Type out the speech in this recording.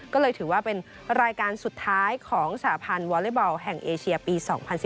ก็เลยถือว่าเป็นรายการสุดท้ายของสหพันธ์วอเล็กบอลแห่งเอเชียปี๒๐๑๙